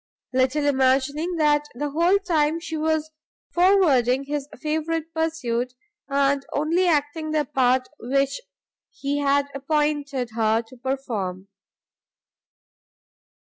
Little imagining that the whole time she was forwarding his favourite pursuit, and only acting the part which he had appointed her to perform.